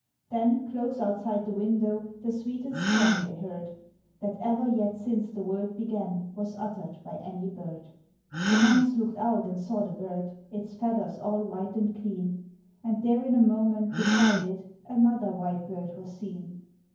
Then, close outside the window, the sweetest song they heard That ever yet since the world began was utter'd by any bird. The monks look'd out and saw the bird, its feathers all white and clean; And there in a moment, beside it, another white bird was seen.